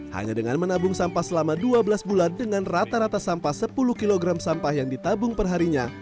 hanya dengan menabung sampah selama dua belas bulan dengan rata rata sampah sepuluh kg sampah yang ditabung perharinya